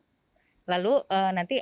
lalu nanti kita akan melakukan kontak tracing